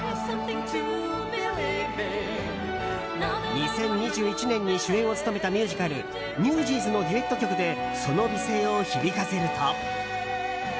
２０２１年に主演を務めたミュージカル「ニュージーズ」のデュエット曲でその美声を響かせると。